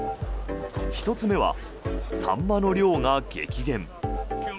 １つ目はサンマの量が激減。